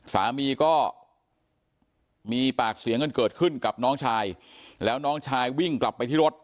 สามีก็มีปากเสียงกันเกิดขึ้นกับน้องชายแล้วน้องชายวิ่งกลับไปที่รถ